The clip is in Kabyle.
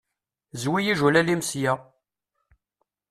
Zwi ijulal-im sya!